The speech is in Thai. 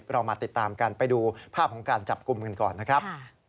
เรามาติดตามกันไปดูภาพของการจับกลุ่มกันก่อนนะครับ